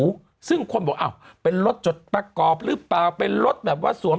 ซึ่งคนบอกอ้าวเป็นรถจดประกอบหรือเปล่าเป็นรถแบบว่าสวม